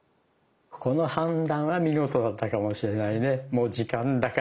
この判断は見事だったかもしれないね。